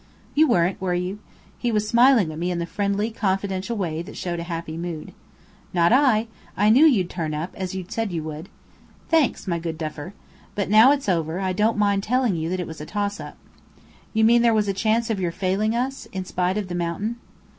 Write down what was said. "You weren't, were you?" He was smiling at me in a friendly, confidential way that showed a happy mood. "Not I! I knew you'd turn up, as you'd said you would." "Thanks, my good Duffer. But now it's over, I don't mind telling you that it was a toss up." "You mean there was a chance of your failing us in spite of the Mountain?"